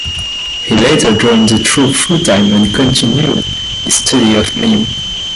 He later joined the troupe full-time and continued his study of mime.